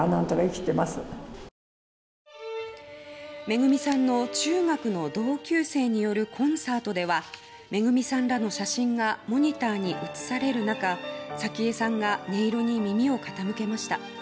めぐみさんの中学の時の同級生によるコンサートではめぐみさんらの写真がモニターに映される中早紀江さんが音色に耳を傾けました。